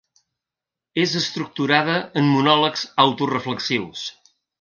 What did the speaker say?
És estructurada en monòlegs autoreflexius.